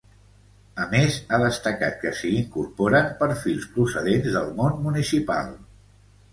A més, ha destacat que s’hi incorporen perfils procedents del món municipal.